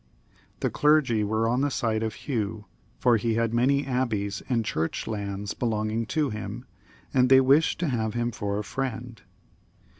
The clergy were on the side of Hugh, for he had many abbeys and church lands belonging to him, and they wished to have him for a friend.